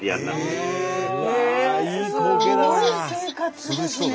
すごい！